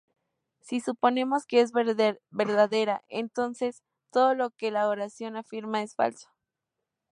Si suponemos que es verdadera, entonces todo lo que la oración afirma es falso.